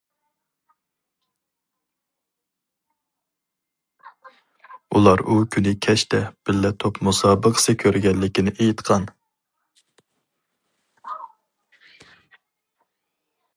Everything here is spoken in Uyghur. ئۇلار ئۇ كۈنى كەچتە بىللە توپ مۇسابىقىسى كۆرگەنلىكىنى ئېيتقان.